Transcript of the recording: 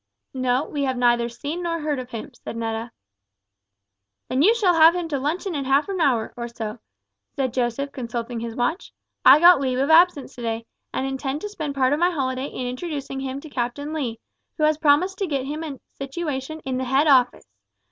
"No, we have neither seen nor heard of him," said Netta. "Then you shall have him to luncheon in half an hour, or so," said Joseph, consulting his watch. "I got leave of absence to day, and intend to spend part of my holiday in introducing him to Captain Lee, who has promised to get him a situation in the head office.